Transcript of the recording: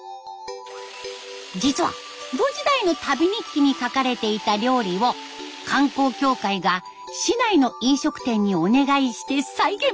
実は江戸時代の旅日記に書かれていた料理を観光協会が市内の飲食店にお願いして再現！